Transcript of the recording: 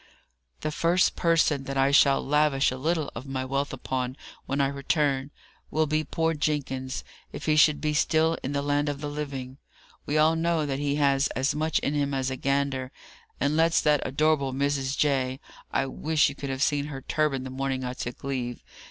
"The first person that I shall lavish a little of my wealth upon, when I return, will be poor Jenkins, if he should be still in the land of the living. We all know that he has as much in him as a gander, and lets that adorable Mrs. J. (I wish you could have seen her turban the morning I took leave!)